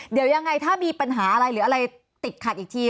เดี๋ยวยังไงถ้ามีปัญหาอะไรหรืออะไรติดขัดอีกที